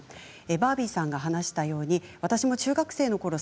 バービーさんが話したように私も中学生のころ